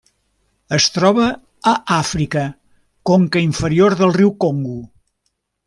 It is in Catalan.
Es troba a Àfrica: conca inferior del riu Congo.